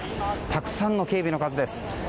たくさんの警備の数です。